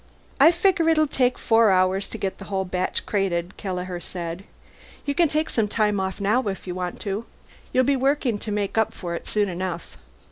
"I figure it'll take four hours to get the whole batch crated," Kelleher said. "You can take some time off now, if you want to. You'll be working to make up for it soon enough."